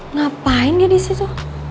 ngapain dia disitu